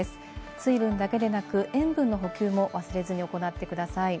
水分だけでなく、塩分の補給も忘れずに行ってください。